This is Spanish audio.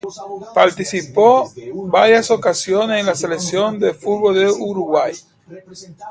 Participó en varias ocasiones en la Selección de fútbol de Uruguay.